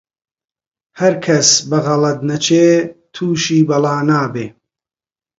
هەرکەس بە غەڵەت نەچی، تووشی بەڵا نابێ